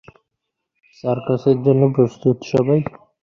আশা কহিল, ভদ্রতার খাতিরেও তো মানুষের সঙ্গে আলাপ করিতে হয়।